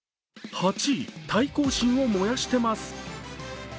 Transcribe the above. ８位、対抗心を燃やしてます。